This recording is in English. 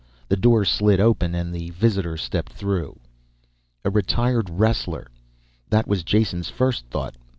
The door slid open and his visitor stepped through. A retired wrestler. That was Jason's first thought.